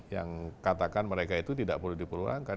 yang katakan mereka itu tidak perlu diperluangkan